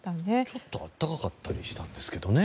ちょっと暖かかったりしたんですけどね。